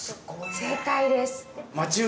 正解です。